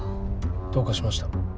どうかしました？